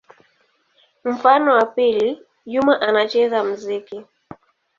Mfano wa pili: Juma anacheza muziki.